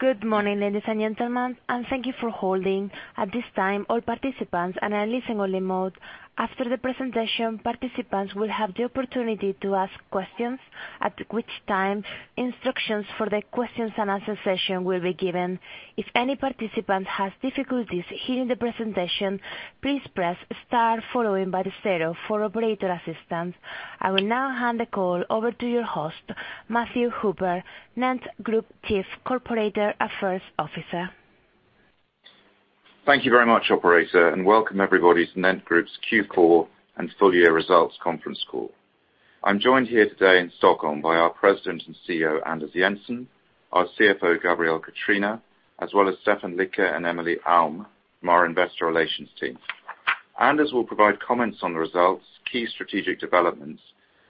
Good morning, ladies and gentlemen, and thank you for holding. At this time, all participants are in a listen-only mode. After the presentation, participants will have the opportunity to ask questions, at which time instructions for the questions and answer session will be given. If any participant has difficulties hearing the presentation, please press star followed by the zero for operator assistance. I will now hand the call over to your host, Matthew Hooper, NENT Group Chief Corporate Affairs Officer. Thank you very much, operator, and welcome everybody to NENT Group's Q4 and full-year results conference call. I'm joined here today in Stockholm by our President and CEO, Anders Jensen, our CFO, Gabriel Catrina, as well as Stefan Lycke and Emily Alm from our investor relations team. Anders will provide comments on the results, key strategic developments,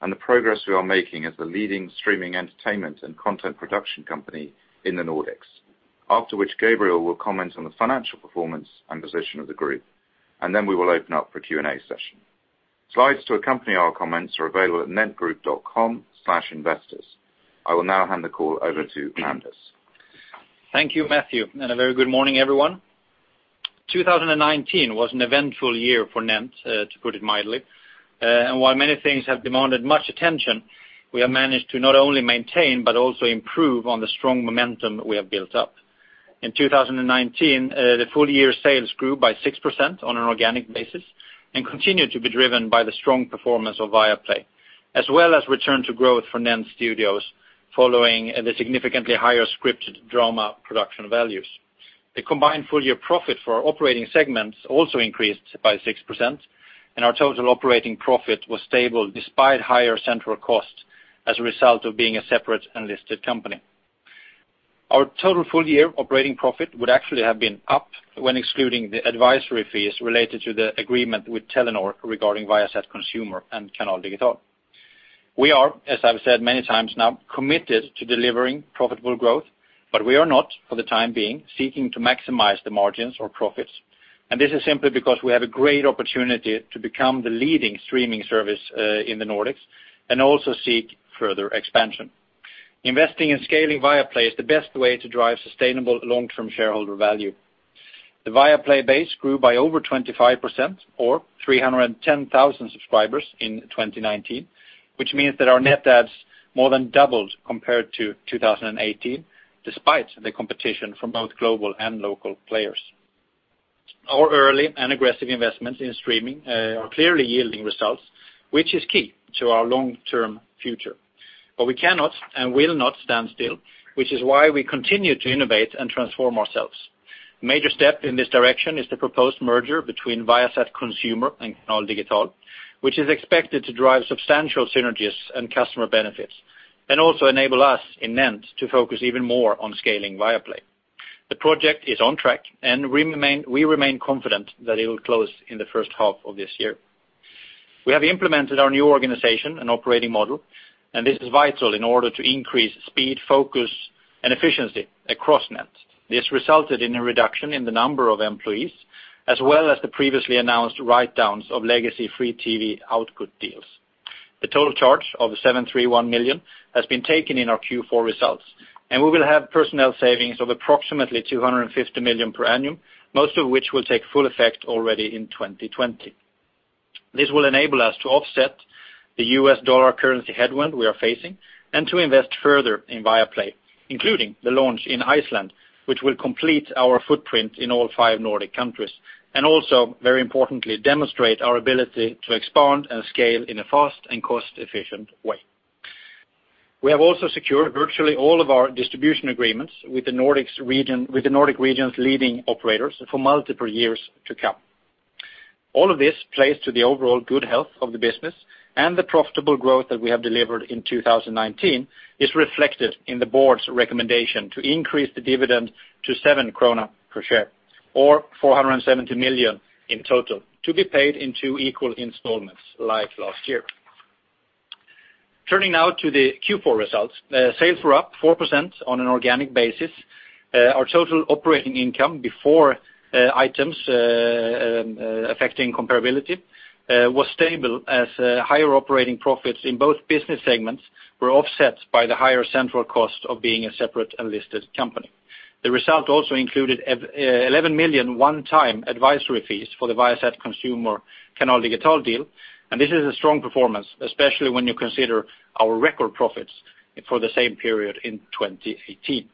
and the progress we are making as the leading streaming entertainment and content production company in the Nordics. After which Gabriel will comment on the financial performance and position of the group. Then we will open up for Q&A session. Slides to accompany our comments are available at nentgroup.com/investors. I will now hand the call over to Anders. Thank you, Matthew. A very good morning, everyone. 2019 was an eventful year for NENT, to put it mildly. While many things have demanded much attention, we have managed to not only maintain but also improve on the strong momentum we have built up. In 2019, the full-year sales grew by 6% on an organic basis and continued to be driven by the strong performance of Viaplay, as well as return to growth for NENT Studios, following the significantly higher scripted drama production values. The combined full-year profit for our operating segments also increased by 6%, and our total operating profit was stable despite higher central costs as a result of being a separate and listed company. Our total full-year operating profit would actually have been up when excluding the advisory fees related to the agreement with Telenor regarding Viasat Consumer and Canal Digital. We are, as I've said many times now, committed to delivering profitable growth, but we are not, for the time being, seeking to maximize the margins or profits. This is simply because we have a great opportunity to become the leading streaming service in the Nordics and also seek further expansion. Investing and scaling Viaplay is the best way to drive sustainable long-term shareholder value. The Viaplay base grew by over 25% or 310,000 subscribers in 2019. Which means that our net adds more than doubled compared to 2018, despite the competition from both global and local players. Our early and aggressive investments in streaming are clearly yielding results, which is key to our long-term future. We cannot and will not stand still, which is why we continue to innovate and transform ourselves. Major step in this direction is the proposed merger between Viasat Consumer and Canal Digital, which is expected to drive substantial synergies and customer benefits, and also enable us, in NENT, to focus even more on scaling Viaplay. The project is on track, and we remain confident that it will close in the first half of this year. We have implemented our new organization and operating model, and this is vital in order to increase speed, focus, and efficiency across NENT. This resulted in a reduction in the number of employees, as well as the previously announced write-downs of legacy free TV output deals. The total charge of 731 million has been taken in our Q4 results, and we will have personnel savings of approximately 250 million per annum, most of which will take full effect already in 2020. This will enable us to offset the US dollar currency headwind we are facing and to invest further in Viaplay, including the launch in Iceland, which will complete our footprint in all five Nordic countries, and also, very importantly, demonstrate our ability to expand and scale in a fast and cost-efficient way. We have also secured virtually all of our distribution agreements with the Nordic region's leading operators for multiple years to come. All of this plays to the overall good health of the business, and the profitable growth that we have delivered in 2019 is reflected in the board's recommendation to increase the dividend to 7 krona per share or 470 million in total, to be paid in two equal installments, like last year. Turning now to the Q4 results. Sales were up 4% on an organic basis. Our total operating income before Items Affecting Comparability was stable as higher operating profits in both business segments were offset by the higher central cost of being a separate and listed company. The result also included 11 million one-time advisory fees for the Viasat Consumer Canal Digital deal. This is a strong performance, especially when you consider our record profits for the same period in 2018.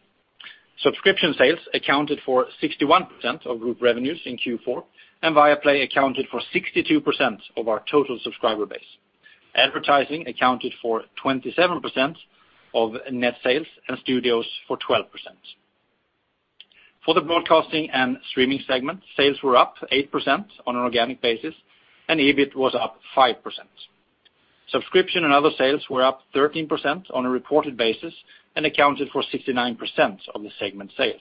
Subscription sales accounted for 61% of group revenues in Q4. Viaplay accounted for 62% of our total subscriber base. Advertising accounted for 27% of net sales and studios for 12%. For the broadcasting and streaming segment, sales were up 8% on an organic basis. EBIT was up 5%. Subscription and other sales were up 13% on a reported basis and accounted for 69% of the segment sales.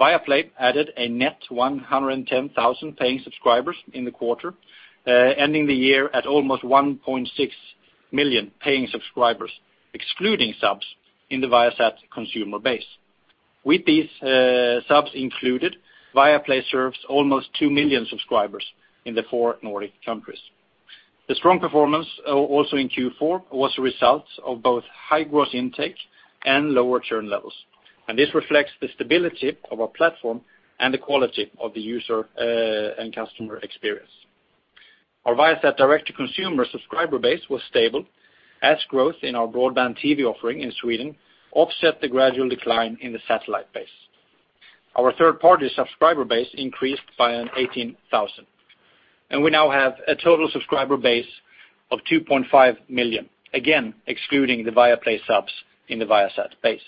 Viaplay added a net 110,000 paying subscribers in the quarter, ending the year at almost 1.6 million paying subscribers, excluding subs in the Viasat Consumer base. With these subs included, Viaplay serves almost two million subscribers in the four Nordic countries. The strong performance also in Q4 was a result of both high gross intake and lower churn levels. This reflects the stability of our platform and the quality of the user and customer experience. Our Viasat direct-to-consumer subscriber base was stable, as growth in our broadband TV offering in Sweden offset the gradual decline in the satellite base. Our third-party subscriber base increased by 18,000, and we now have a total subscriber base of 2.5 million, again, excluding the Viaplay subs in the Viasat base.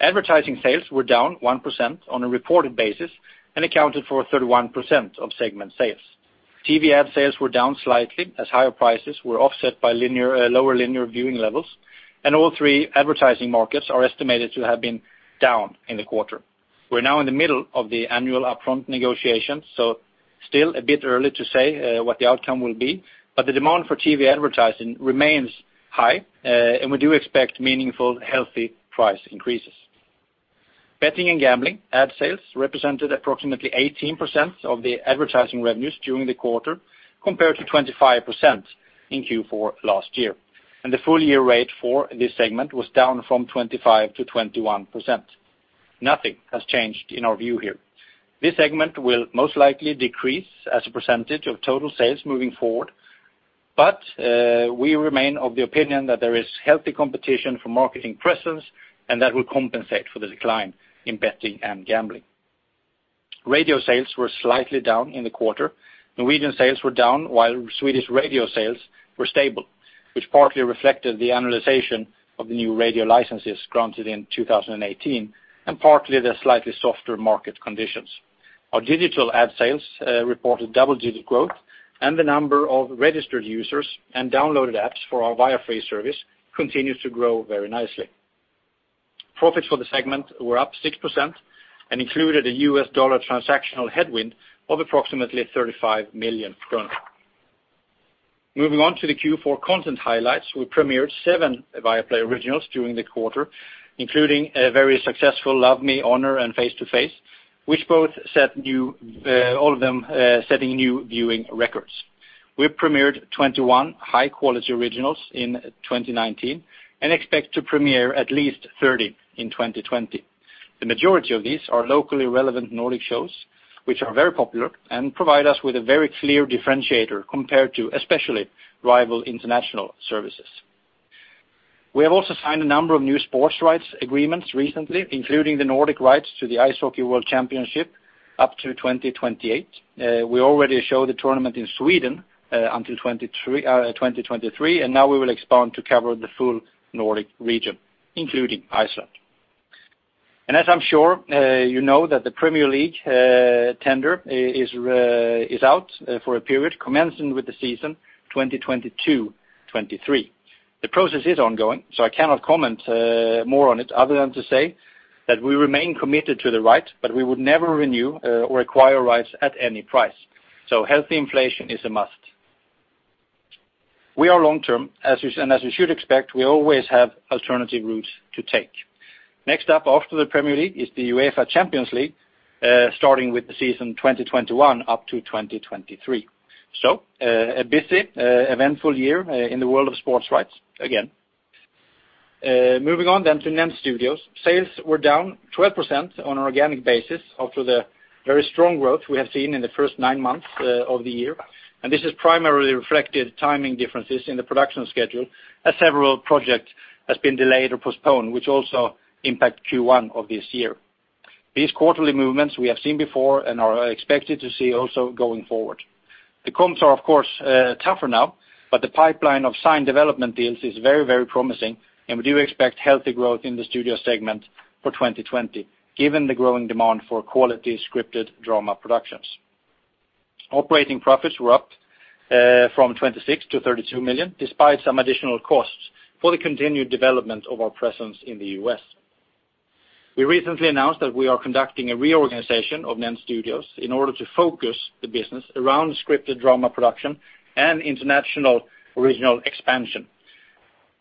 Advertising sales were down 1% on a reported basis and accounted for 31% of segment sales. TV ad sales were down slightly as higher prices were offset by lower linear viewing levels, and all three advertising markets are estimated to have been down in the quarter. We're now in the middle of the annual upfront negotiations, so still a bit early to say what the outcome will be, but the demand for TV advertising remains high, and we do expect meaningful, healthy price increases. Betting and gambling ad sales represented approximately 18% of the advertising revenues during the quarter, compared to 25% in Q4 last year. The full-year rate for this segment was down from 25% to 21%. Nothing has changed in our view here. This segment will most likely decrease as a percentage of total sales moving forward, but we remain of the opinion that there is healthy competition for marketing presence, and that will compensate for the decline in betting and gambling. Radio sales were slightly down in the quarter. Norwegian sales were down while Swedish radio sales were stable, which partly reflected the annualization of the new radio licenses granted in 2018, and partly the slightly softer market conditions. Our digital ad sales reported double-digit growth, and the number of registered users and downloaded apps for our Viafree service continues to grow very nicely. Profits for the segment were up 6% and included a US dollar transactional headwind of approximately 35 million kronor. Moving on to the Q4 content highlights. We premiered seven Viaplay originals during the quarter, including a very successful "Love Me," "Honor," and "Face to Face," all of them setting new viewing records. We premiered 21 high-quality originals in 2019 and expect to premiere at least 30 in 2020. The majority of these are locally relevant Nordic shows, which are very popular and provide us with a very clear differentiator compared to, especially, rival international services. We have also signed a number of new sports rights agreements recently, including the Nordic rights to the Ice Hockey World Championship up to 2028. We already show the tournament in Sweden until 2023. Now we will expand to cover the full Nordic region, including Iceland. As I'm sure you know that the Premier League tender is out for a period commencing with the season 2022-2023. The process is ongoing. I cannot comment more on it other than to say that we remain committed to the right. We would never renew or acquire rights at any price. Healthy inflation is a must. We are long-term. As you should expect, we always have alternative routes to take. Next up after the Premier League is the UEFA Champions League, starting with the season 2021 up to 2023. A busy, eventful year in the world of sports rights again. Moving on to NENT Studios. Sales were down 12% on an organic basis after the very strong growth we have seen in the first nine months of the year. This has primarily reflected timing differences in the production schedule as several projects has been delayed or postponed, which also impact Q1 of this year. These quarterly movements we have seen before and are expected to see also going forward. The comps are of course tougher now, but the pipeline of signed development deals is very promising, and we do expect healthy growth in the studio segment for 2020, given the growing demand for quality scripted drama productions. Operating profits were up from 26 million to 32 million, despite some additional costs for the continued development of our presence in the U.S. We recently announced that we are conducting a reorganization of NENT Studios in order to focus the business around scripted drama production and international original expansion.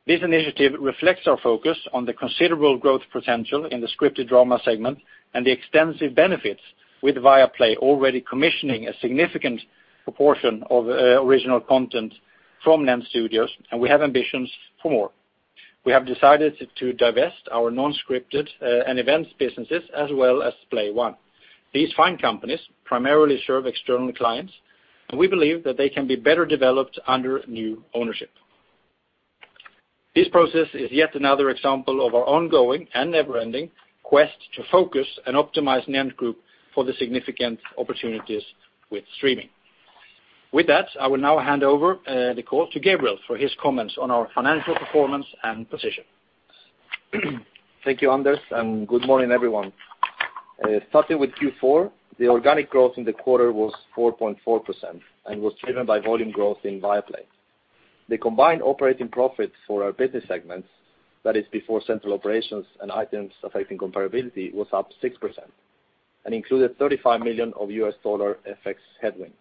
This initiative reflects our focus on the considerable growth potential in the scripted drama segment and the extensive benefits with Viaplay already commissioning a significant proportion of original content from NENT Studios, and we have ambitions for more. We have decided to divest our non-scripted and events businesses as well as Splay One. These fine companies primarily serve external clients, and we believe that they can be better developed under new ownership. This process is yet another example of our ongoing and never-ending quest to focus and optimize NENT Group for the significant opportunities with streaming. With that, I will now hand over the call to Gabriel for his comments on our financial performance and position. Thank you, Anders. Good morning, everyone. Starting with Q4, the organic growth in the quarter was 4.4% and was driven by volume growth in Viaplay. The combined operating profit for our business segments, that is before central operations and items affecting comparability, was up 6% and included 35 million of US dollar FX headwind.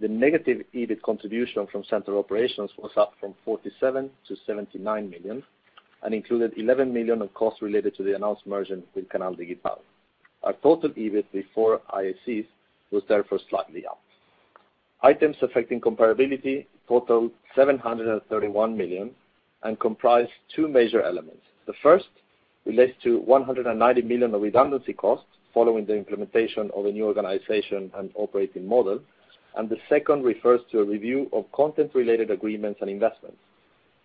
The negative EBIT contribution from central operations was up from 47 million to 79 million and included 11 million of costs related to the announced merger with Canal Digital. Our total EBIT before IACs was slightly up. Items affecting comparability totaled 731 million and comprised two major elements. The first relates to 190 million of redundancy costs following the implementation of a new organization and operating model. The second refers to a review of content-related agreements and investments,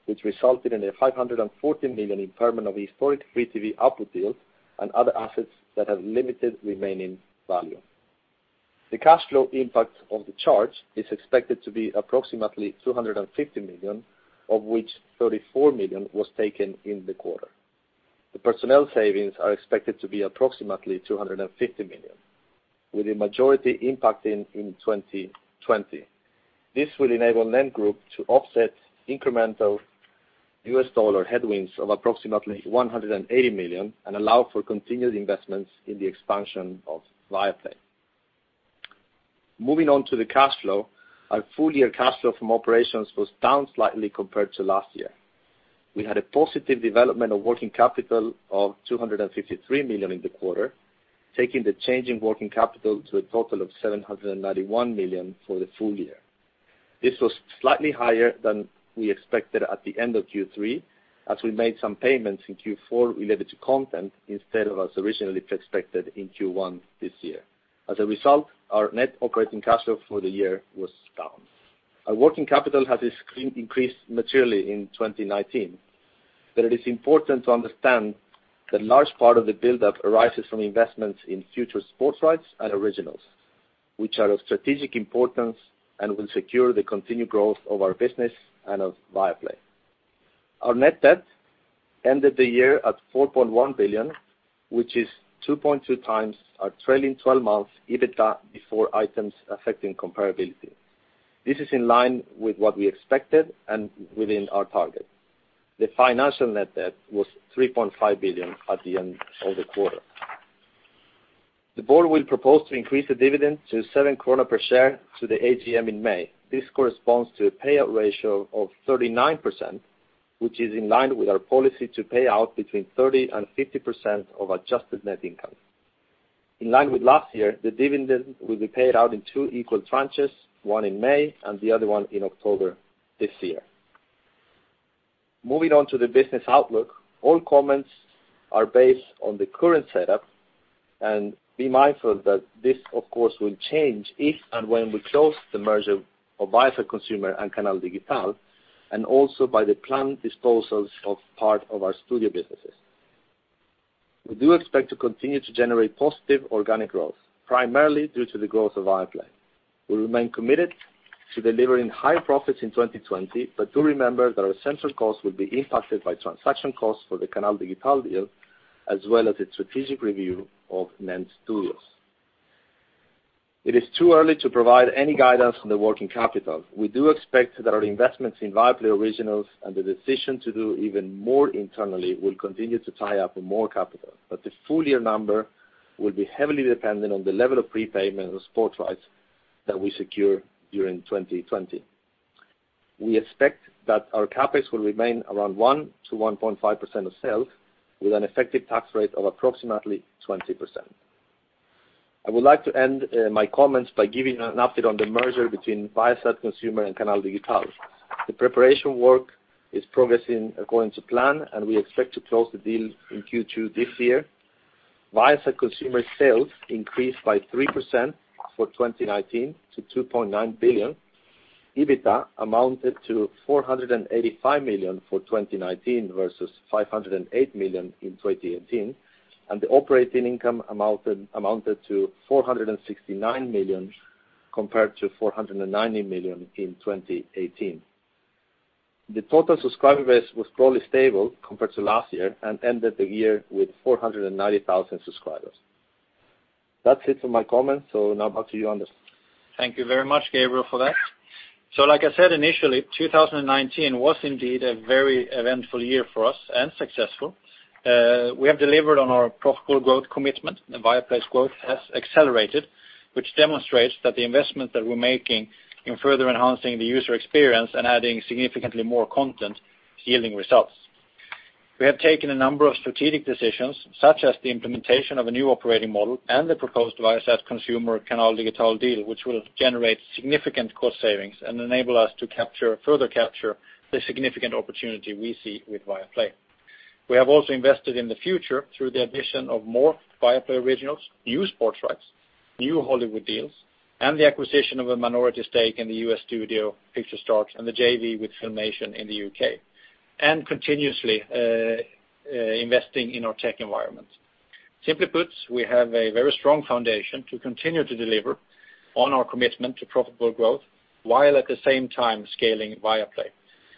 which resulted in a 540 million impairment of historic free TV output deals and other assets that have limited remaining value. The cash flow impact of the charge is expected to be approximately 250 million, of which 34 million was taken in the quarter. The personnel savings are expected to be approximately 250 million, with the majority impacting in 2020. This will enable NENT Group to offset incremental US dollar headwinds of approximately $180 million and allow for continued investments in the expansion of Viaplay. Moving on to the cash flow, our full-year cash flow from operations was down slightly compared to last year. We had a positive development of working capital of 253 million in the quarter, taking the change in working capital to a total of 791 million for the full year. This was slightly higher than we expected at the end of Q3, as we made some payments in Q4 related to content instead of as originally expected in Q1 this year. As a result, our net operating cash flow for the year was down. Our working capital has increased materially in 2019, it is important to understand that large part of the buildup arises from investments in future sports rights and originals, which are of strategic importance and will secure the continued growth of our business and of Viaplay. Our net debt ended the year at 4.1 billion, which is 2.2x our trailing 12 months EBITDA before Items Affecting Comparability. This is in line with what we expected and within our target. The financial net debt was 3.5 billion at the end of the quarter. The board will propose to increase the dividend to 7 krona per share to the AGM in May. This corresponds to a payout ratio of 39%, which is in line with our policy to pay out between 30% and 50% of adjusted net income. In line with last year, the dividend will be paid out in two equal tranches, one in May and the other one in October this year. Moving on to the business outlook, all comments are based on the current setup. Be mindful that this, of course, will change if and when we close the merger of Viasat Consumer and Canal Digital, and also by the planned disposals of part of our studio businesses. We do expect to continue to generate positive organic growth, primarily due to the growth of Viaplay. Do remember that our central costs will be impacted by transaction costs for the Canal Digital deal, as well as its strategic review of NENT Studios. It is too early to provide any guidance on the working capital. We do expect that our investments in Viaplay Originals and the decision to do even more internally will continue to tie up more capital. The full-year number will be heavily dependent on the level of prepayment of sports rights that we secure during 2020. We expect that our CapEx will remain around 1%-1.5% of sales, with an effective tax rate of approximately 20%. I would like to end my comments by giving an update on the merger between Viasat Consumer and Canal Digital. The preparation work is progressing according to plan, and we expect to close the deal in Q2 this year. Viasat Consumer sales increased by 3% for 2019 to 2.9 billion. EBITDA amounted to 485 million for 2019 versus 508 million in 2018, and the operating income amounted to 469 million, compared to 490 million in 2018. The total subscriber base was probably stable compared to last year and ended the year with 490,000 subscribers. That's it for my comments. Now back to you, Anders. Thank you very much, Gabriel, for that. Like I said initially, 2019 was indeed a very eventful year for us and successful. We have delivered on our profitable growth commitment. The Viaplay growth has accelerated, which demonstrates that the investment that we're making in further enhancing the user experience and adding significantly more content is yielding results. We have taken a number of strategic decisions, such as the implementation of a new operating model and the proposed Viasat Consumer Canal Digital deal, which will generate significant cost savings and enable us to further capture the significant opportunity we see with Viaplay. We have also invested in the future through the addition of more Viaplay originals, new sports rights, new Hollywood deals, and the acquisition of a minority stake in the U.S. studio, Picturestart, and the JV with FilmNation in the U.K., and continuously investing in our tech environment. Simply put, we have a very strong foundation to continue to deliver on our commitment to profitable growth, while at the same time scaling Viaplay,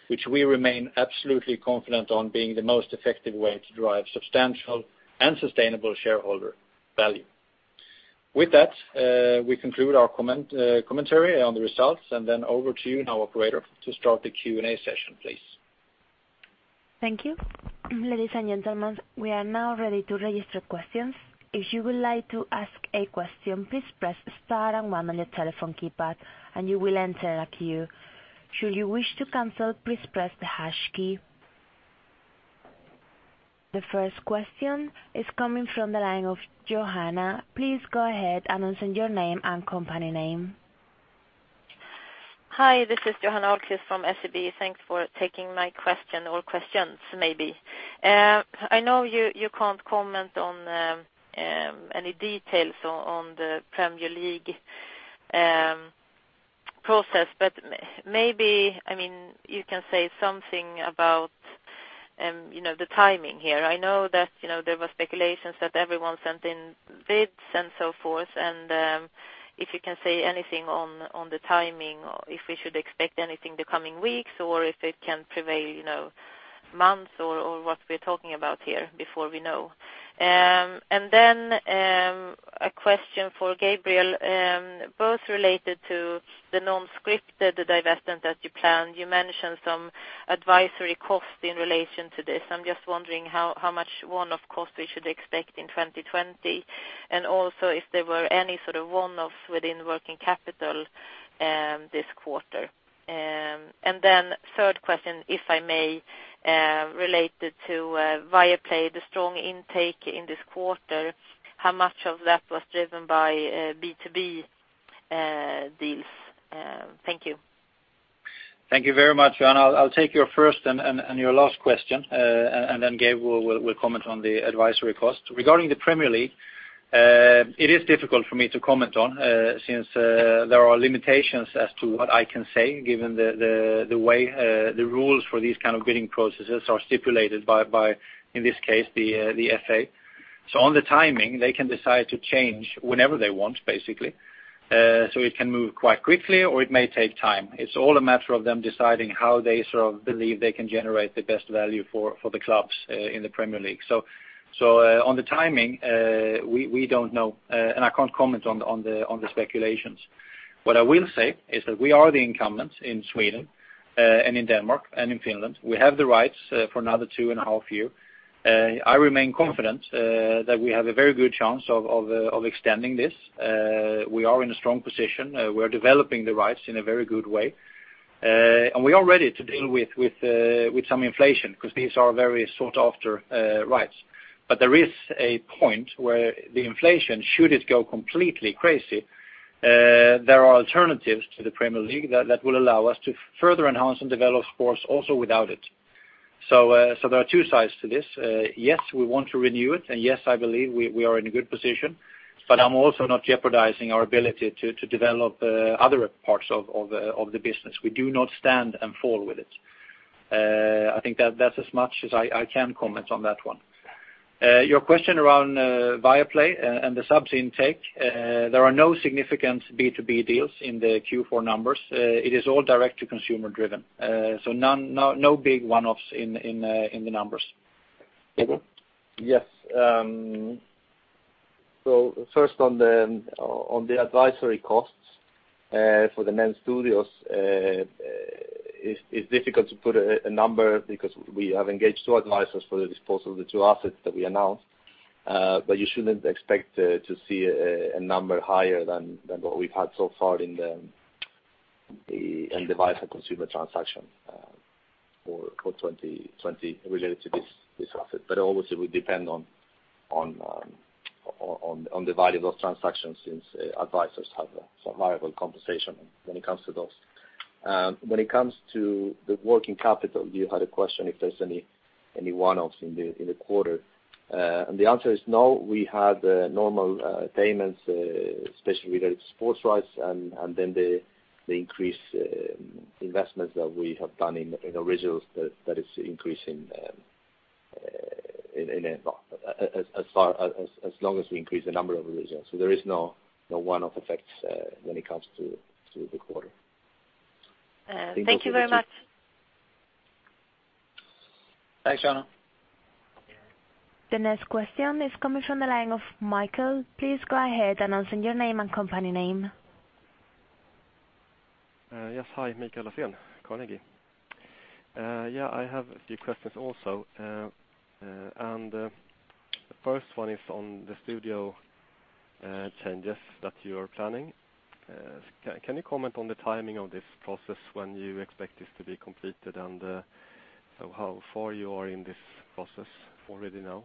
which we remain absolutely confident on being the most effective way to drive substantial and sustainable shareholder value. With that, we conclude our commentary on the results, and then over to you now, operator, to start the Q&A session, please. Thank you. Ladies and gentlemen, we are now ready to register questions. If you would like to ask a question, please press star and one on your telephone keypad, and you will enter a queue. Should you wish to cancel, please press the hash key. The first question is coming from the line of Johanna. Please go ahead, announce your name and company name. Hi, this is Johanna Ahlqvist from SEB. Thanks for taking my question or questions, maybe. I know you can't comment on any details on the Premier League process, but maybe you can say something about the timing here. If you can say anything on the timing, if we should expect anything the coming weeks or if it can prevail months or what we're talking about here before we know. Then, a question for Gabriel, both related to the non-scripted divestment that you planned. You mentioned some advisory cost in relation to this. I'm just wondering how much one-off cost we should expect in 2020, and also if there were any sort of one-offs within working capital this quarter. Third question, if I may, related to Viaplay, the strong intake in this quarter, how much of that was driven by B2B deals? Thank you. Thank you very much, Johanna. I will take your first and your last question, and then Gab will comment on the advisory cost. Regarding the Premier League, it is difficult for me to comment on, since there are limitations as to what I can say, given the way the rules for these kind of bidding processes are stipulated by, in this case, the FA. On the timing, they can decide to change whenever they want, basically. It can move quite quickly, or it may take time. It is all a matter of them deciding how they believe they can generate the best value for the clubs in the Premier League. On the timing, we do not know, and I cannot comment on the speculations. What I will say is that we are the incumbents in Sweden and in Denmark and in Finland. We have the rights for another two and a half year. I remain confident that we have a very good chance of extending this. We are in a strong position. We are developing the rights in a very good way. We are ready to deal with some inflation because these are very sought-after rights. There is a point where the inflation, should it go completely crazy, there are alternatives to the Premier League that will allow us to further enhance and develop sports also without it. There are two sides to this. Yes, we want to renew it. Yes, I believe we are in a good position, but I'm also not jeopardizing our ability to develop other parts of the business. We do not stand and fall with it. I think that's as much as I can comment on that one. Your question around Viaplay and the subs intake, there are no significant B2B deals in the Q4 numbers. It is all direct to consumer-driven. No big one-offs in the numbers. Gabriel? Yes. First on the advisory costs for the NENT Studios, it's difficult to put a number because we have engaged two advisors for the disposal of the two assets that we announced. You shouldn't expect to see a number higher than what we've had so far in the NENT Viasat Consumer transaction for 2020 related to this asset. Obviously, it will depend on the value of those transactions since advisors have a variable compensation when it comes to those. When it comes to the working capital, you had a question if there's any one-offs in the quarter. The answer is no. We had normal payments, especially related to sports rights, then the increased investments that we have done in originals that is increasing as long as we increase the number of originals. There is no one-off effects when it comes to the quarter. Thank you very much. Thanks, Johanna. The next question is coming from the line of Mikael. Please go ahead, announce your name and company name. Yes. Hi, Mikael Laséen, Carnegie. Yeah, I have a few questions also. The first one is on the studio changes that you are planning. Can you comment on the timing of this process when you expect this to be completed and how far you are in this process already now?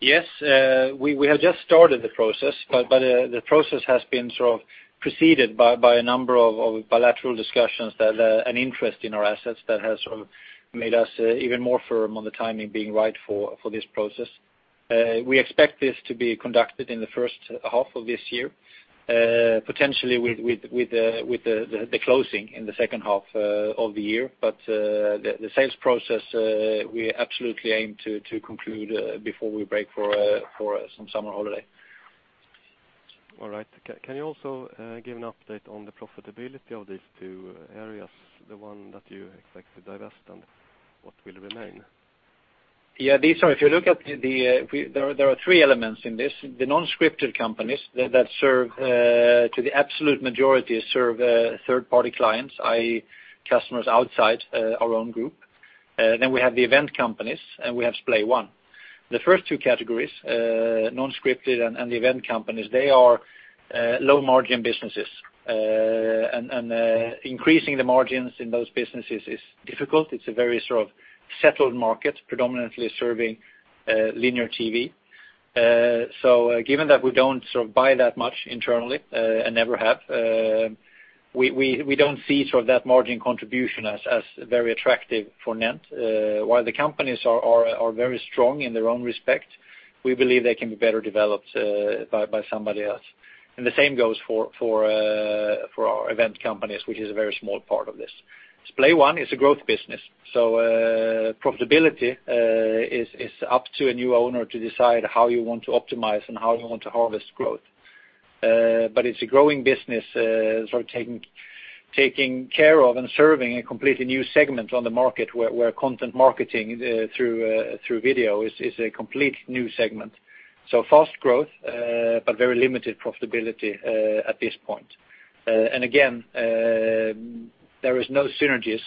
Yes, we have just started the process, but the process has been sort of preceded by a number of bilateral discussions that an interest in our assets that has made us even more firm on the timing being right for this process. We expect this to be conducted in the first half of this year, potentially with the closing in the second half of the year. The sales process, we absolutely aim to conclude before we break for some summer holiday. All right. Can you also give an update on the profitability of these two areas, the one that you expect to divest and what will remain? Yeah. There are three elements in this. The non-scripted companies that serve to the absolute majority serve third-party clients, i.e. customers outside our own group. We have the event companies, and we have Splay One. The first two categories, non-scripted and the event companies, they are low margin businesses. Increasing the margins in those businesses is difficult. It's a very sort of settled market, predominantly serving linear TV. Given that we don't buy that much internally and never have, we don't see that margin contribution as very attractive for NENT. While the companies are very strong in their own respect, we believe they can be better developed by somebody else. The same goes for our event companies, which is a very small part of this. Splay One is a growth business, so profitability is up to a new owner to decide how you want to optimize and how you want to harvest growth. It's a growing business, sort of taking care of and serving a completely new segment on the market, where content marketing through video is a complete new segment. Fast growth, but very limited profitability at this point. Again, there are no synergies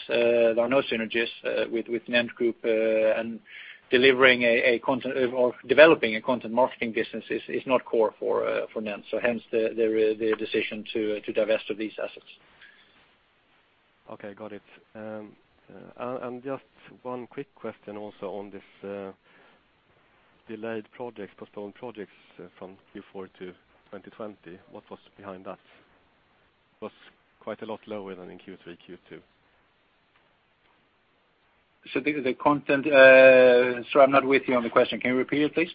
with NENT Group and developing a content marketing business is not core for NENT. Hence the decision to divest of these assets. Okay, got it. Just one quick question also on this delayed project, postponed projects from Q4 to 2020. What was behind that? Was quite a lot lower than in Q3, Q2. Sorry, I'm not with you on the question. Can you repeat it, please?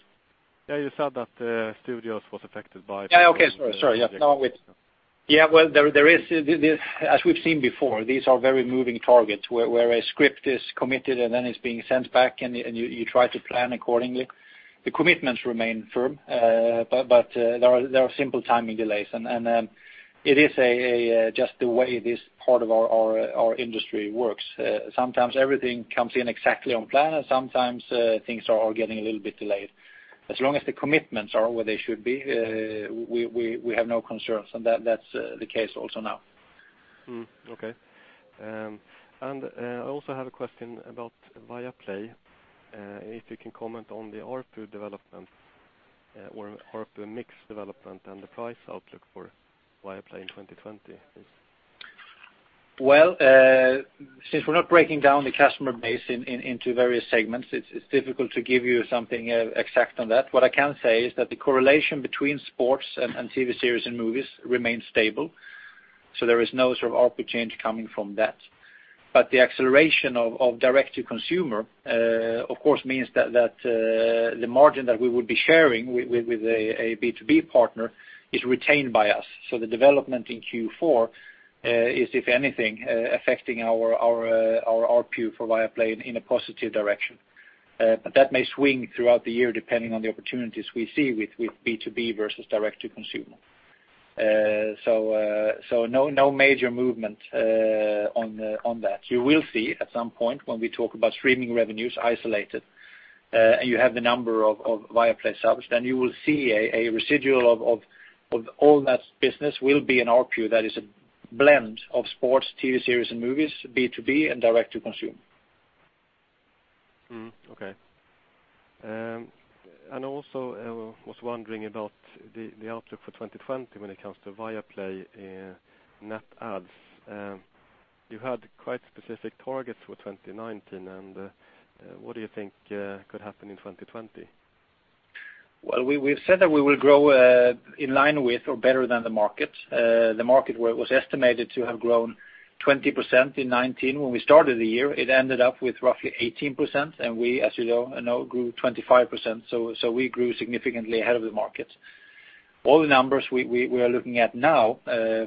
You said that the Studios was affected by. Yeah, okay. Sorry. Yes. No, Well, as we've seen before, these are very moving targets where a script is committed and then it's being sent back, and you try to plan accordingly. The commitments remain firm, but there are simple timing delays, and it is just the way this part of our industry works. Sometimes everything comes in exactly on plan, and sometimes things are getting a little bit delayed. As long as the commitments are where they should be, we have no concerns, and that's the case also now. Okay. I also have a question about Viaplay, if you can comment on the ARPU development or ARPU mix development and the price outlook for Viaplay in 2020, please. Well, since we're not breaking down the customer base into various segments, it's difficult to give you something exact on that. What I can say is that the correlation between sports and TV series and movies remains stable. There is no sort of ARPU change coming from that. The acceleration of direct to consumer, of course, means that the margin that we would be sharing with a B2B partner is retained by us. The development in Q4 is, if anything, affecting our ARPU for Viaplay in a positive direction. That may swing throughout the year, depending on the opportunities we see with B2B versus direct to consumer. No major movement on that. You will see at some point when we talk about streaming revenues isolated, and you have the number of Viaplay subs, then you will see a residual of all that business will be an ARPU that is a blend of sports, TV series, and movies, B2B, and direct to consume. Okay. Also, I was wondering about the outlook for 2020 when it comes to Viaplay net adds. You had quite specific targets for 2019, what do you think could happen in 2020? Well, we have said that we will grow in line with or better than the market. The market was estimated to have grown 20% in 2019 when we started the year. It ended up with roughly 18%, and we, as you know now, grew 25%, so we grew significantly ahead of the market. All the numbers we are looking at now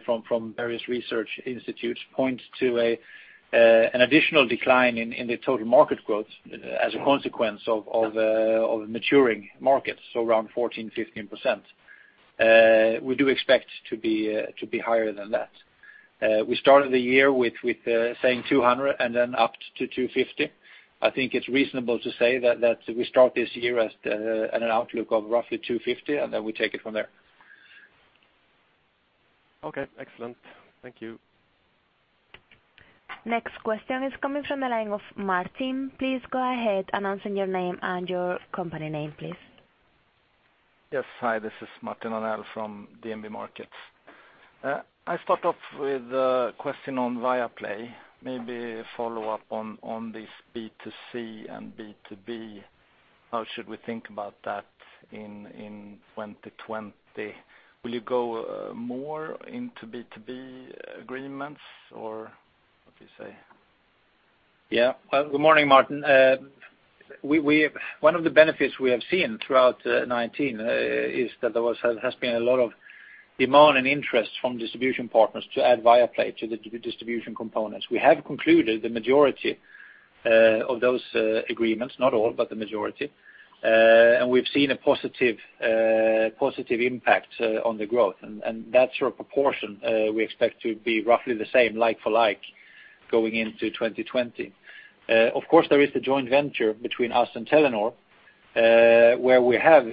from various research institutes point to an additional decline in the total market growth as a consequence of maturing markets, so around 14%-15%. We do expect to be higher than that. We started the year with saying 200 and then upped to 250. I think it is reasonable to say that we start this year at an outlook of roughly 250, and then we take it from there. Okay, excellent. Thank you. Next question is coming from the line of Martin. Please go ahead and answer your name and your company name, please. Yes. Hi, this is Martin Arnell from DNB Markets. I start off with a question on Viaplay, maybe follow up on this B2C and B2B. How should we think about that in 2020? Will you go more into B2B agreements or what do you say? Good morning, Martin. One of the benefits we have seen throughout 2019 is that there has been a lot of demand and interest from distribution partners to add Viaplay to the distribution components. We have concluded the majority of those agreements, not all, but the majority. We've seen a positive impact on the growth, and that sort of proportion we expect to be roughly the same like for like going into 2020. Of course, there is the joint venture between us and Telenor, where we have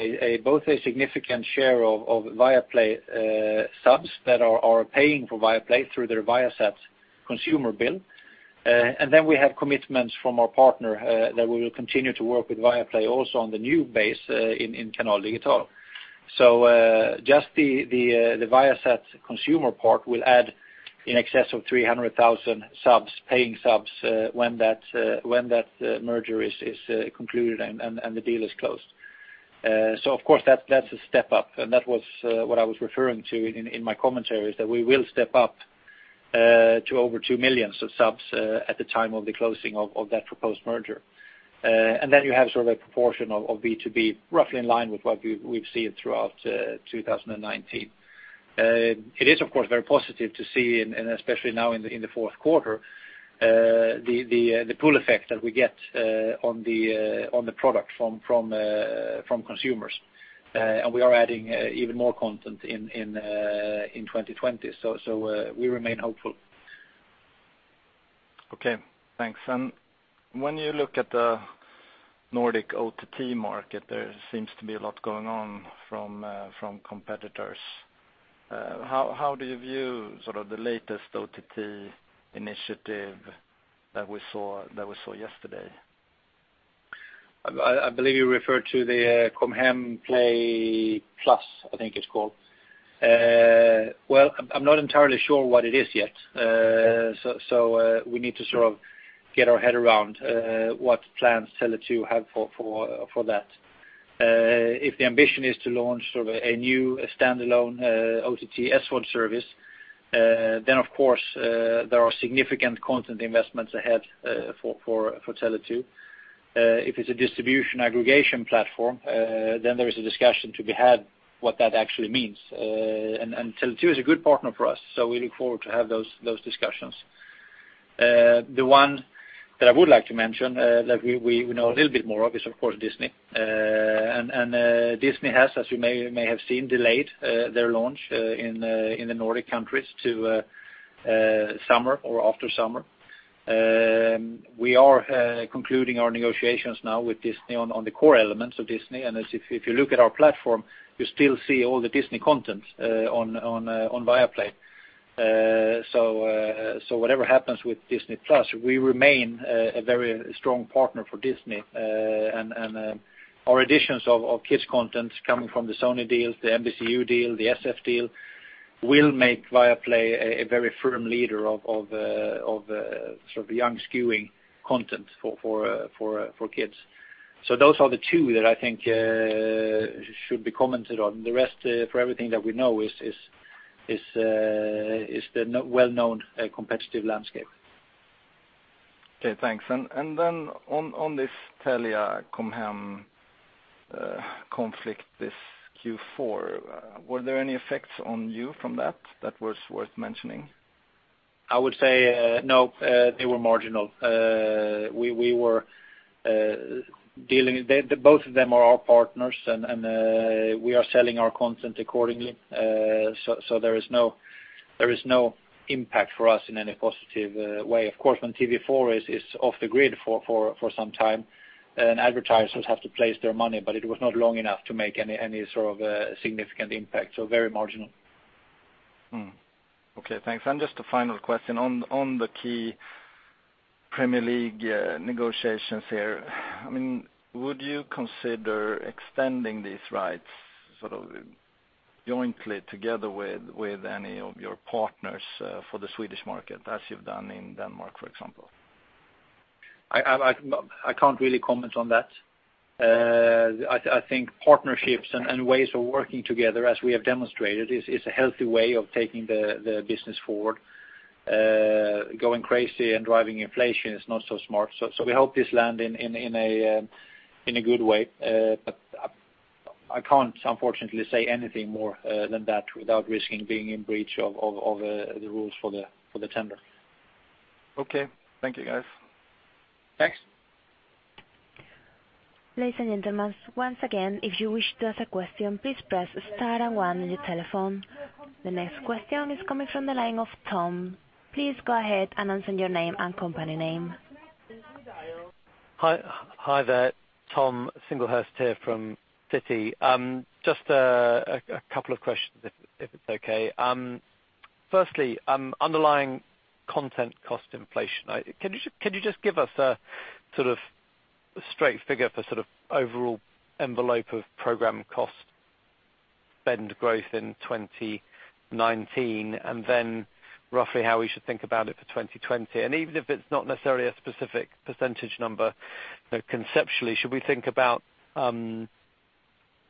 both a significant share of Viaplay subs that are paying for Viaplay through their Viasat Consumer bill. We have commitments from our partner that we will continue to work with Viaplay also on the new base in Canal Digital. Just the Viasat Consumer part will add in excess of 300,000 paying subs when that merger is concluded and the deal is closed. Of course, that's a step up, and that was what I was referring to in my commentary is that we will step up to over 2 million subs at the time of the closing of that proposed merger. You have sort of a proportion of B2B, roughly in line with what we've seen throughout 2019. It is, of course, very positive to see, and especially now in the fourth quarter, the pool effect that we get on the product from consumers. We are adding even more content in 2020. We remain hopeful. Okay, thanks. When you look at the Nordic OTT market, there seems to be a lot going on from competitors. How do you view the latest OTT initiative that we saw yesterday? I believe you refer to the Com Hem Play+, I think it's called. Well, I'm not entirely sure what it is yet. We need to sort of get our head around what plans Tele2 have for that. If the ambition is to launch sort of a new standalone OTT SVOD service, then of course there are significant content investments ahead for Tele2. If it's a distribution aggregation platform, then there is a discussion to be had what that actually means. Tele2 is a good partner for us, so we look forward to have those discussions. The one that I would like to mention that we know a little bit more of is, of course, Disney. Disney has, as you may have seen, delayed their launch in the Nordic countries to summer or after summer. We are concluding our negotiations now with Disney on the core elements of Disney. If you look at our platform, you still see all the Disney content on Viaplay. Whatever happens with Disney+, we remain a very strong partner for Disney. Our additions of kids content coming from the Sony deals, the NBCU deal, the SF deal, will make Viaplay a very firm leader of the young skewing content for kids. Those are the two that I think should be commented on. The rest, for everything that we know, is the well-known competitive landscape. Okay, thanks. On this Telia-Com Hem conflict this Q4, were there any effects on you from that that was worth mentioning? I would say no, they were marginal. Both of them are our partners, and we are selling our content accordingly. There is no impact for us in any positive way. Of course, when TV4 is off the grid for some time, then advertisers have to place their money, but it was not long enough to make any sort of a significant impact. Very marginal. Okay, thanks. Just a final question on the key Premier League negotiations here. Would you consider extending these rights jointly together with any of your partners for the Swedish market, as you've done in Denmark, for example? I can't really comment on that. I think partnerships and ways of working together, as we have demonstrated, is a healthy way of taking the business forward. Going crazy and driving inflation is not so smart. We hope this land in a good way. I can't, unfortunately, say anything more than that without risking being in breach of the rules for the tender. Okay. Thank you, guys. Thanks. Ladies and gentlemen, once again, if you wish to ask a question, please press star and one on your telephone. The next question is coming from the line of Tom. Please go ahead and answer your name and company name. Hi there. Tom Singlehurst here from Citi. Just a couple of questions, if it's okay. Firstly, underlying content cost inflation. Can you just give us a sort of straight figure for sort of overall envelope of program cost spend growth in 2019, and then roughly how we should think about it for 2020? Even if it's not necessarily a specific percentage number, conceptually, should we think about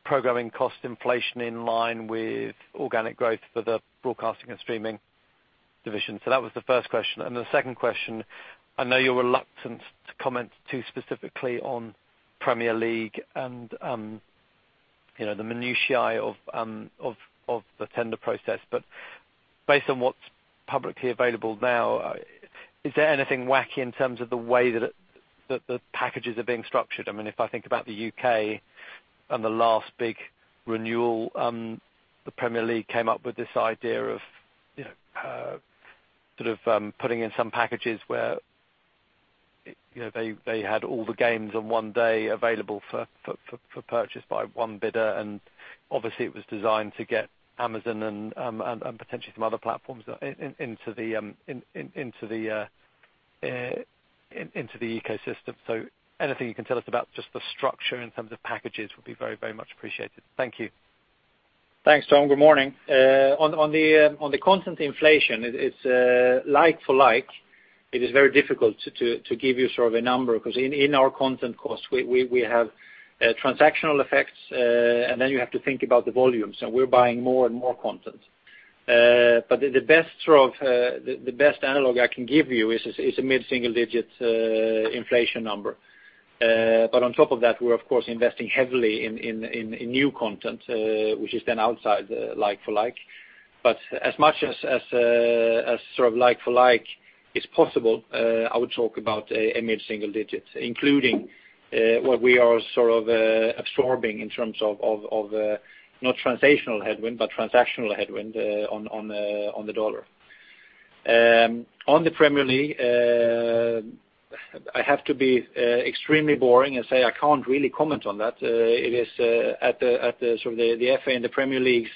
programming cost inflation in line with organic growth for the broadcasting and streaming division? That was the first question. The second question, I know you're reluctant to comment too specifically on Premier League and the minutiae of the tender process. Based on what's publicly available now, is there anything wacky in terms of the way that the packages are being structured? If I think about the U.K. and the last big renewal, the Premier League came up with this idea of putting in some packages where they had all the games on one day available for purchase by one bidder, and obviously it was designed to get Amazon and potentially some other platforms into the ecosystem. Anything you can tell us about just the structure in terms of packages would be very much appreciated. Thank you. Thanks, Tom. Good morning. On the content inflation, it's like for like, it is very difficult to give you sort of a number because in our content costs, we have transactional effects, then you have to think about the volumes. We're buying more and more content. The best analog I can give you is a mid-single-digit inflation number. On top of that, we're of course investing heavily in new content, which is then outside the like for like. As much as like for like is possible, I would talk about a mid-single digits, including what we are sort of absorbing in terms of not translational headwind, but transactional headwind on the dollar. On the Premier League, I have to be extremely boring and say I can't really comment on that. It is at the FA and the Premier League's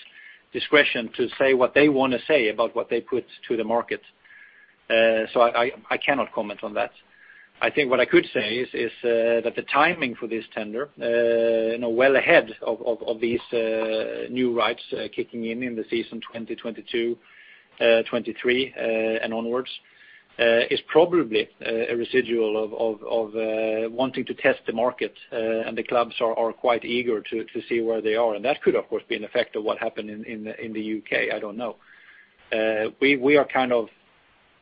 discretion to say what they want to say about what they put to the market. I cannot comment on that. I think what I could say is that the timing for this tender, well ahead of these new rights kicking in the season 2022, 2023, and onwards, is probably a residual of wanting to test the market, and the clubs are quite eager to see where they are. That could, of course, be an effect of what happened in the U.K., I don't know. We are kind of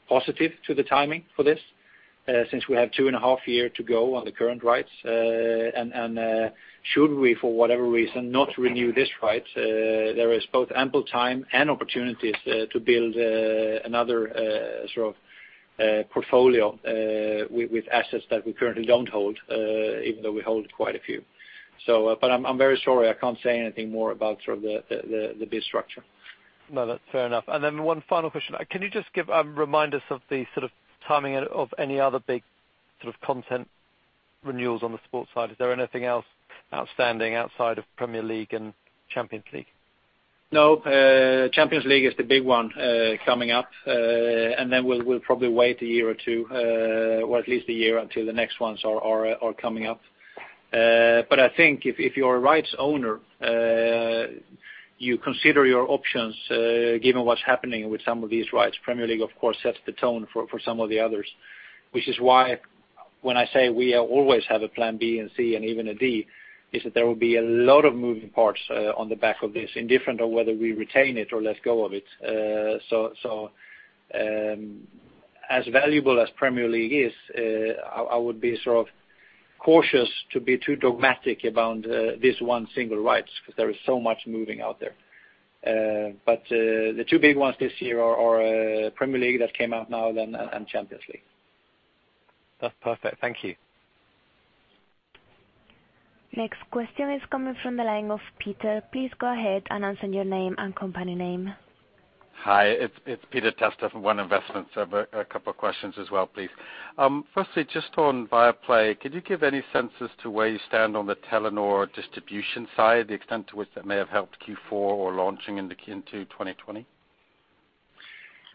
positive to the timing for this, since we have two and a half year to go on the current rights. Should we, for whatever reason, not renew this right, there is both ample time and opportunities to build another sort of portfolio with assets that we currently don't hold, even though we hold quite a few. I'm very sorry, I can't say anything more about the bid structure. No, that's fair enough. One final question. Can you just remind us of the timing of any other big content renewals on the sports side? Is there anything else outstanding outside of Premier League and Champions League? No. Champions League is the big one coming up, and then we'll probably wait a year or two, or at least a year until the next ones are coming up. I think if you're a rights owner, you consider your options, given what's happening with some of these rights. Premier League, of course, sets the tone for some of the others, which is why when I say we always have a plan B and C and even a D, is that there will be a lot of moving parts on the back of this, indifferent on whether we retain it or let go of it. As valuable as Premier League is, I would be cautious to be too dogmatic about this one single rights because there is so much moving out there. The two big ones this year are Premier League that came out now and Champions League. That's perfect. Thank you. Next question is coming from the line of Peter. Please go ahead and answer your name and company name. Hi, it's Peter Testa from One Investments. I have a couple of questions as well, please. Firstly, just on Viaplay, could you give any sense as to where you stand on the Telenor distribution side, the extent to which that may have helped Q4 or launching into 2020?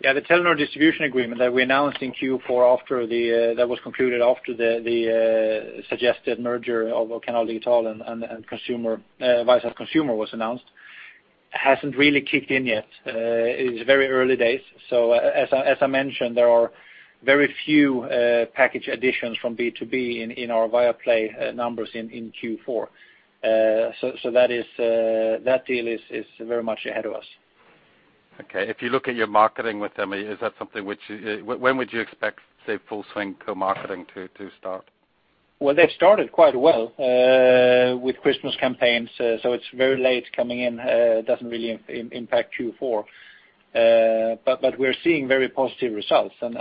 The Telenor distribution agreement that we announced in Q4 that was concluded after the suggested merger of Canal Digital and Viasat Consumer was announced, hasn't really kicked in yet. It is very early days. As I mentioned, there are very few package additions from B2B in our Viaplay numbers in Q4. That deal is very much ahead of us. Okay. If you look at your marketing with them, when would you expect, say, full swing co-marketing to start? Well, they started quite well with Christmas campaigns. It's very late coming in. It doesn't really impact Q4. We're seeing very positive results, and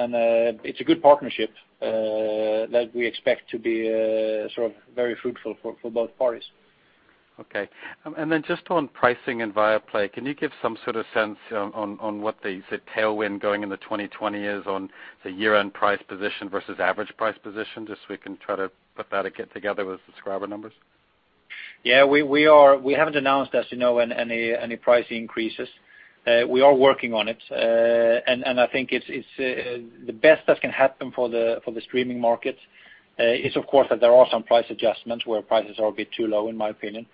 it's a good partnership that we expect to be very fruitful for both parties. Okay. Just on pricing and Viaplay, can you give some sort of sense on what the tailwind going into 2020 is on the year-end price position versus average price position, just so we can try to put that together with subscriber numbers? Yeah. We haven't announced, as you know, any price increases. We are working on it. I think the best that can happen for the streaming market is, of course, that there are some price adjustments where prices are a bit too low in my opinion.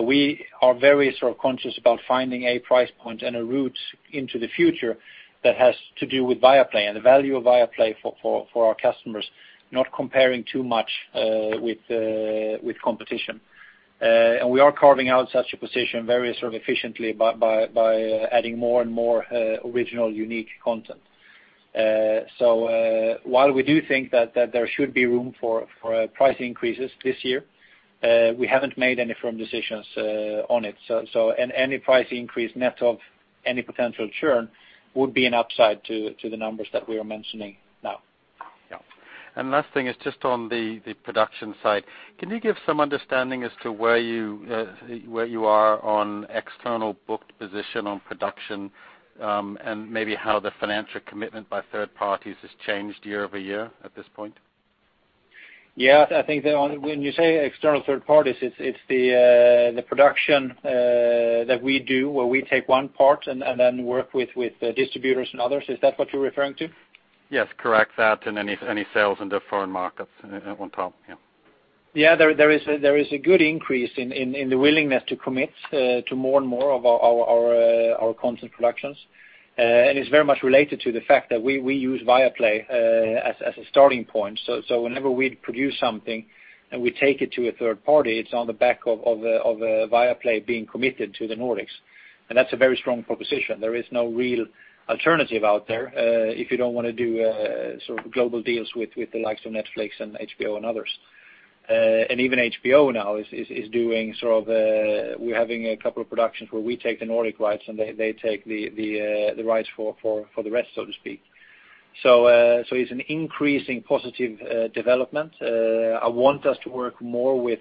We are very conscious about finding a price point and a route into the future that has to do with Viaplay and the value of Viaplay for our customers, not comparing too much with competition. We are carving out such a position very efficiently by adding more and more original, unique content. While we do think that there should be room for price increases this year, we haven't made any firm decisions on it. Any price increase net of any potential churn would be an upside to the numbers that we are mentioning now. Yeah. Last thing is just on the production side. Can you give some understanding as to where you are on external booked position on production, and maybe how the financial commitment by third parties has changed year-over-year at this point? Yes, I think when you say external third parties, it's the production that we do where we take one part and then work with distributors and others. Is that what you're referring to? Yes, correct. That and any sales into foreign markets on top. Yeah, there is a good increase in the willingness to commit to more and more of our content productions. It's very much related to the fact that we use Viaplay as a starting point. Whenever we produce something and we take it to a third party, it's on the back of Viaplay being committed to the Nordics, and that's a very strong proposition. There is no real alternative out there if you don't want to do global deals with the likes of Netflix and HBO and others. Even HBO now, we're having a couple of productions where we take the Nordic rights, and they take the rights for the rest, so to speak. It's an increasing positive development. I want us to work more with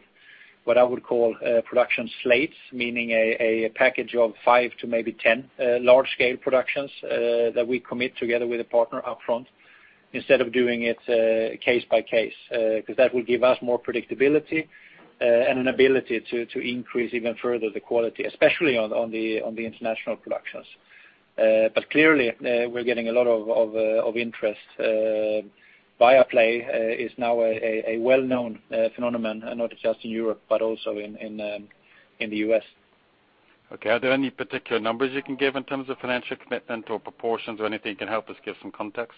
what I would call production slates, meaning a package of five to maybe 10 large-scale productions that we commit together with a partner upfront instead of doing it case by case. That will give us more predictability and an ability to increase even further the quality, especially on the international productions. Clearly, we're getting a lot of interest. Viaplay is now a well-known phenomenon, not just in Europe, but also in the U.S. Okay, are there any particular numbers you can give in terms of financial commitment or proportions or anything can help us give some context?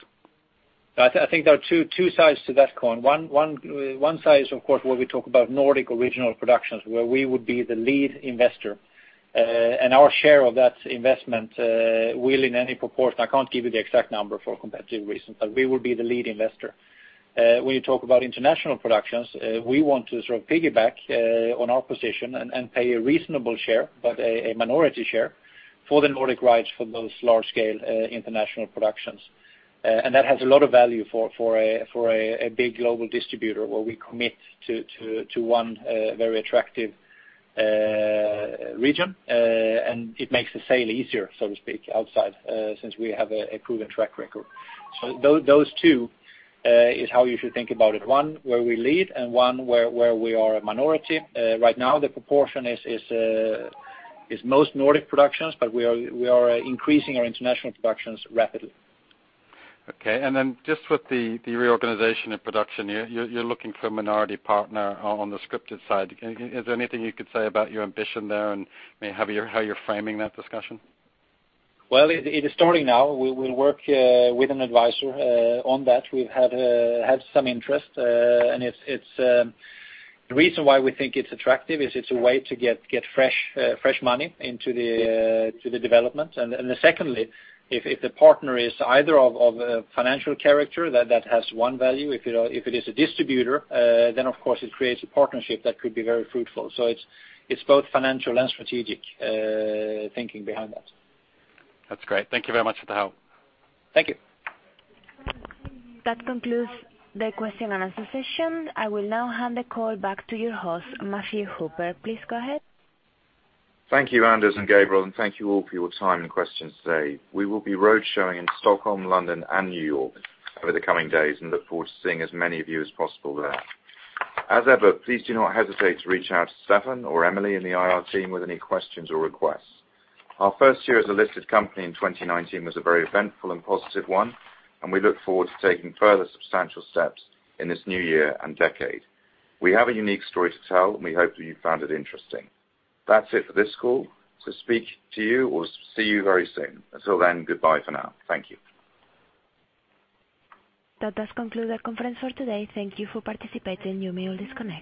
I think there are two sides to that coin. One side is, of course, where we talk about Nordic original productions, where we would be the lead investor. Our share of that investment will in any proportion, I can't give you the exact number for competitive reasons, but we will be the lead investor. When you talk about international productions, we want to sort of piggyback on our position and pay a reasonable share, but a minority share, for the Nordic rights for those large-scale international productions. That has a lot of value for a big global distributor where we commit to one very attractive region, and it makes the sale easier, so to speak, outside, since we have a proven track record. Those two is how you should think about it. One where we lead and one where we are a minority. Right now, the proportion is most Nordic productions, but we are increasing our international productions rapidly. Okay, just with the reorganization and production, you're looking for a minority partner on the scripted side. Is there anything you could say about your ambition there and how you're framing that discussion? Well, it is starting now. We will work with an advisor on that. We've had some interest, and the reason why we think it's attractive is it's a way to get fresh money into the development. Secondly, if the partner is either of a financial character, that has one value. If it is a distributor, then of course it creates a partnership that could be very fruitful. It's both financial and strategic thinking behind that. That's great. Thank you very much for the help. Thank you. That concludes the question and answer session. I will now hand the call back to your host, Matthew Hooper. Please go ahead. Thank you, Anders and Gabriel. Thank you all for your time and questions today. We will be road showing in Stockholm, London, and New York over the coming days and look forward to seeing as many of you as possible there. As ever, please do not hesitate to reach out to Stefan or Emily in the IR team with any questions or requests. Our first year as a listed company in 2019 was a very eventful and positive one. We look forward to taking further substantial steps in this new year and decade. We have a unique story to tell. We hope that you found it interesting. That's it for this call. Speak to you or see you very soon. Until then, goodbye for now. Thank you. That does conclude our conference for today. Thank you for participating. You may all disconnect.